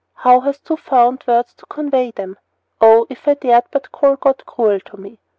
How hast thou found words to convey them? Oh, if I dared but call God cruel to me!